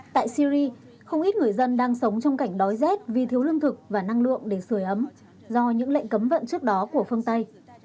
tại syri không ít người dân đang sống trong cảnh đói rét vì thiếu lương thực và năng lượng để sửa ấm do những lệnh cấm vận trước đó của phương tây